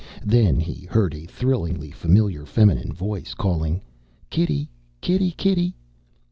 Then he heard a thrillingly familiar feminine voice calling "Kitty, kitty, kitty."